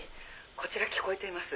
こちら聞こえています」